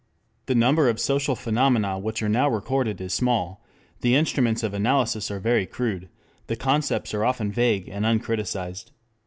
The number of social phenomena which are now recorded is small, the instruments of analysis are very crude, the concepts often vague and uncriticized.